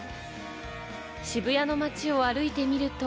渋谷の街を歩いてみると。